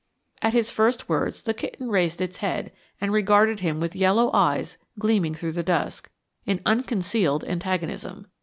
At his first words the kitten raised its head and regarded him with yellow eyes gleaming through the dusk, in unconcealed antagonism.